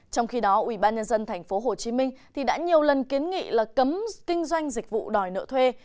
trong khi đó ubnd tp hcm đã nhiều lần kiến nghị là cấm kinh doanh dịch vụ đòi nợ thuê